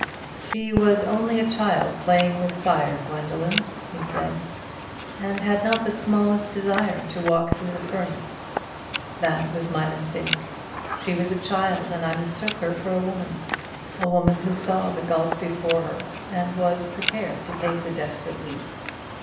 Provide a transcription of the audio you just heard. "She was only a child playing with fire, Gwendoline," he said; "and had not the smallest desire to walk through the furnace. That was my mistake. She was a child, and I mistook her for a woman a woman who saw the gulf before her, and was prepared to take the desperate leap.